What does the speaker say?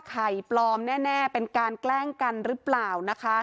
ไข่ปลอมแน่เป็นการแกล้งกันหรือเปล่านะคะ